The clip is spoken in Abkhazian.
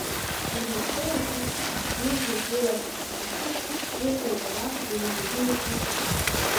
Уразҟы иакит дуваургылар, аха аҭыԥ ыҟоу уара умагазин аҿы?